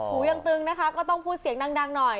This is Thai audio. หูยังตึงนะคะก็ต้องพูดเสียงดังหน่อย